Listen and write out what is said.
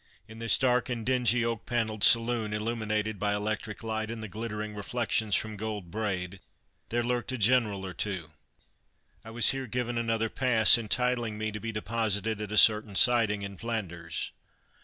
In this dark and dingy oak panelled saloon, illuminated by electric light and the glittering reflections from gold braid, there lurked a general or two. I was here given another pass entitling me to be deposited at a certain siding in Flanders.